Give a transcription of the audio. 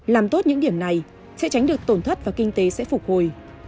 làm tốt những điểm này sẽ tránh được tổn thất và kinh tế sẽ phục hồi